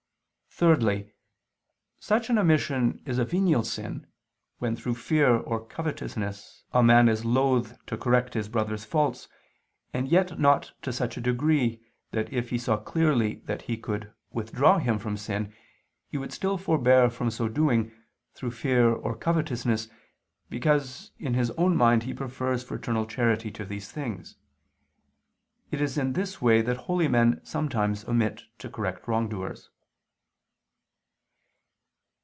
Thirdly, such an omission is a venial sin, when through fear or covetousness, a man is loth to correct his brother's faults, and yet not to such a degree, that if he saw clearly that he could withdraw him from sin, he would still forbear from so doing, through fear or covetousness, because in his own mind he prefers fraternal charity to these things. It is in this way that holy men sometimes omit to correct wrongdoers.